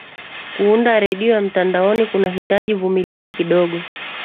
kuunda redio ya mtandaoni kunahitaji vumilivu kidogo